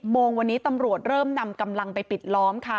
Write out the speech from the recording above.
โมงวันนี้ตำรวจเริ่มนำกำลังไปปิดล้อมค่ะ